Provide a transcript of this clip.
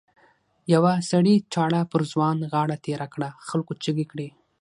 یوه سړي چاړه پر ځوان غاړه تېره کړه خلکو چیغې کړې.